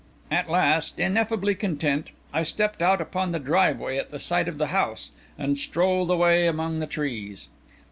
At last, ineffably content, I stepped out upon the driveway at the side of the house, and strolled away among the trees.